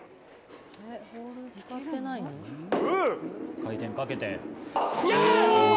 回転かけて。